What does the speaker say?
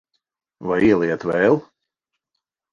Vai ieliet vēl?